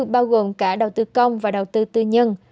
bao gồm cả đầu tư công và đầu tư tư nhân